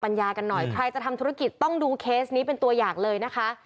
ยากันหน่อยใครจะทำธุรกิจต้องดูเคสนี้เป็นตัวอย่างเลยนะคะ